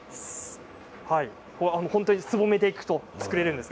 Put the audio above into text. すぼめていくと作れるんです。